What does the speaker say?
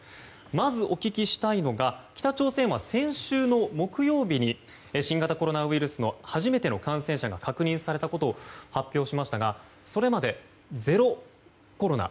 まずお聞きしたいのが北朝鮮は先週の木曜日に新型コロナウイルスの初めての感染者が確認されたことを発表しましたがそれまでゼロコロナ。